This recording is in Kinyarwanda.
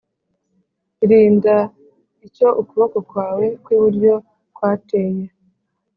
Rinda icyo ukuboko kwawe kw iburyo kwateye